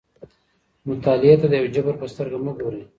مطالعې ته د یو جبر په سترګه مه ګورئ.